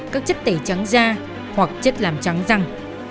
các chất tẩy trắng da hoặc chất làm trắng răng